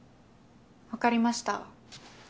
分かりました。